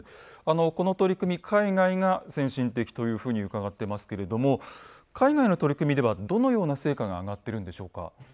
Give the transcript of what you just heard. この取り組み海外が先進的というふうに伺ってますけれども海外の取り組みではどのような成果が上がってるんでしょうか。